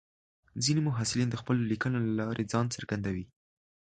ځینې محصلین د خپلو لیکنو له لارې ځان څرګندوي.